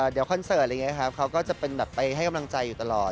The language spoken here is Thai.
เดี๋ยวคอนเสอร์สเขาก็จะไปให้กำลังใจอยู่ตลอด